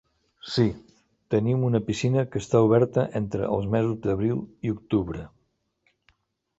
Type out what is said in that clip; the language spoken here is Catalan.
Sí, tenim una piscina que està oberta entre els mesos d'abril i octubre.